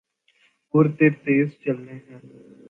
اور تیر تیز چلنے ہیں۔